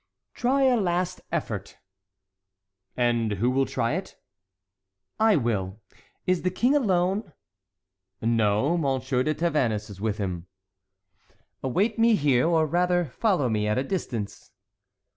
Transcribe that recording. "Try a last effort." "And who will try it?" "I will! Is the King alone?" "No; M. de Tavannes is with him." "Await me here; or, rather, follow me at a distance."